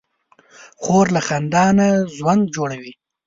خور له خندا نه ژوند جوړوي.